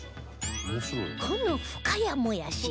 この深谷もやし